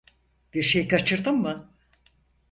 Bir şey kaçırdım mı?